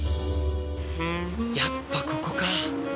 やっぱ、ここか。